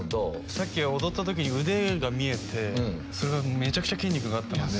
さっき踊った時に腕が見えてめちゃくちゃ筋肉があったので。